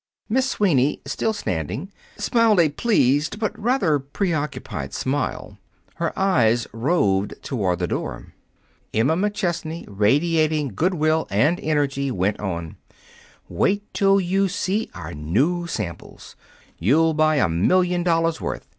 Miss Sweeney, still standing, smiled a pleased but rather preoccupied smile. Her eyes roved toward the door. Emma McChesney, radiating good will and energy, went on: "Wait till you see our new samples! You'll buy a million dollars' worth.